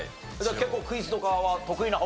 結構クイズとかは得意な方？